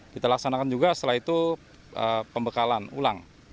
kita laksanakan juga setelah itu pembekalan ulang